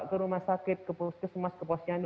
ke rumah sakit ke puskesmas ke posyandu